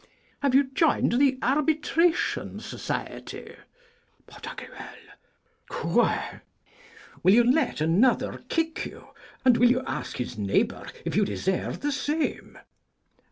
Have you joined the Arbitration Society? Pan.: Quoy?? Will you let another kick you, and will you ask his neighbour if you deserve the same?